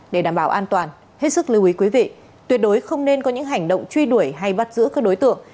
để đảm bảo an toàn hết sức lưu ý quý vị tuyệt đối không nên có những hành động truy đuổi hay bắt giữ các đối tượng